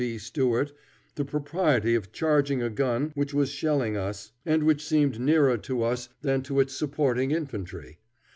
B. Stuart the propriety of charging a gun which was shelling us, and which seemed nearer to us than to its supporting infantry.